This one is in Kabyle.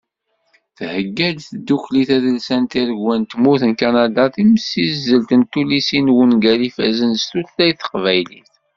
Thegga-d tiddukla tadelsant Tiregwa n tmurt n Kanada timsizzelt n tullisin d wungal ifazen s tutlayt n teqbaylit